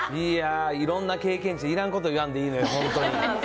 いやー、いろんな経験値、いらんこと言わんでいいのよ、本当に。